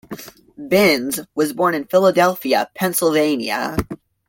Binns was born in Philadelphia, Pennsylvania.